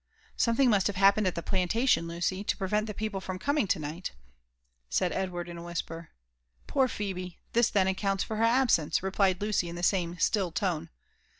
*' SomeihiBg must have happened at the plantation, Lucy, to pre yent the people from coming to night," said Edward in a whisper. Poor Phel^ ! tiiis then accounts for her absence," replied Lucy in the same still tone.